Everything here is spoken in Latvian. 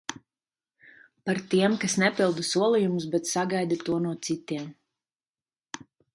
Par tiem, kas nepilda solījumus, bet sagaida to no citiem.